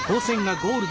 ゴールド！